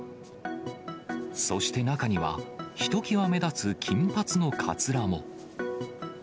そして中には、ひときわ目立つ金髪のかつらも。